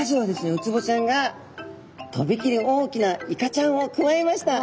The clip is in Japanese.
ウツボちゃんがとびきり大きなイカちゃんをくわえました。